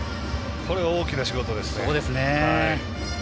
これは大きな仕事ですね。